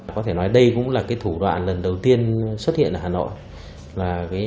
có thể nói đây cũng là thủ đoạn lần đầu tiên xuất hiện ở hà nội